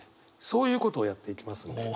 そういうことをやっていきますんで。